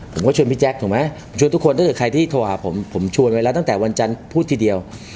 ผมก็ชวนพี่แจ๊คถูกไหมชวนทุกคนถ้าเกิดใครที่โทรหาผมผมชวนไว้แล้วตั้งแต่วันจันทร์พูดทีเดียว